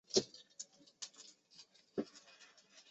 曾任正红旗满洲副都统。